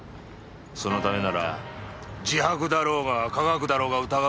そのためなら自白だろうが科学だろうが疑う時は疑う。